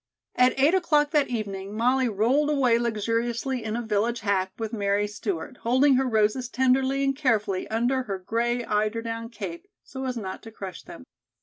At eight o'clock that evening Molly rolled away luxuriously in a village hack with Mary Stewart, holding her roses tenderly and carefully under her gray eiderdown cape, so as not to crush them.